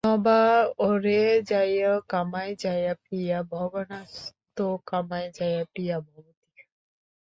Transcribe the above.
ন বা অরে জায়ায়ৈ কামায় জায়া প্রিয়া ভবত্যাত্মনস্ত্ত কামায় জায়া প্রিয়া ভবতি।